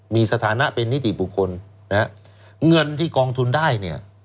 มีสถานะเป็นนิติบุคคลนะฮะเงินที่กองทุนได้เนี่ย